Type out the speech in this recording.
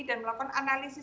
dan melakukan analisis